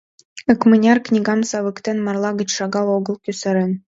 Икмыняр книгам савыктен, марла гыч шагал огыл кусарен.